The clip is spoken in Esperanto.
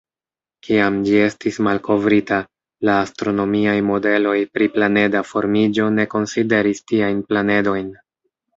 Kiam ĝi estis malkovrita, la astronomiaj modeloj pri planeda formiĝo ne konsideris tiajn planedojn.